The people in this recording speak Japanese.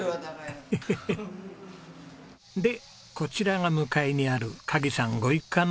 でこちらが向かいにある鍵さんご一家のご自宅です。